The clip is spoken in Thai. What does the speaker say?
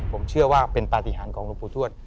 ผมเชื่อว่าเป็นปฏิหารของหลวงปู่ทวช